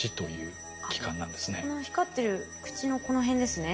この光ってる口のこの辺ですね。